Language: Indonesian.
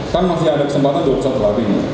kan masih ada kesempatan dua puluh satu hari